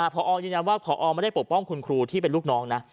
พอยืนยันว่าพอไม่ได้ปกป้องคุณครูที่เป็นลูกน้องนะ